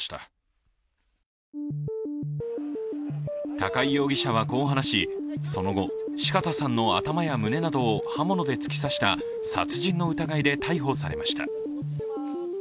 高井容疑者はこう話し、その後、四方さんの頭や胸などを刃物で突き刺した殺人の疑いで逮捕されました。